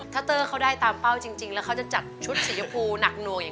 ถ้าเตอร์เขาได้ตามเป้าจริงแล้วเขาจะจัดชุดสียพูหนักหน่วงอย่าง